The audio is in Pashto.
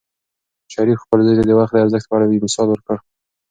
شریف خپل زوی ته د وخت د ارزښت په اړه یو مثال ورکړ.